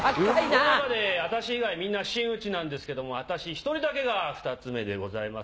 私以外みんな真打ちなんですけど、私一人だけが２つ目でございます。